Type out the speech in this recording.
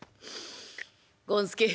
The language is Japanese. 権助。